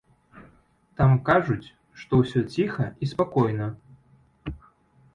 Там, кажуць, што ўсё ціха і спакойна.